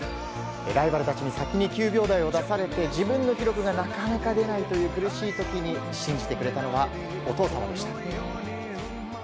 ライバルたちに先に９秒台を出されて自分の記録がなかなか出ないという苦しい時に信じてくれたのはお父さんでした。